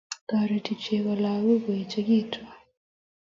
Toreti chego lagok koechikitu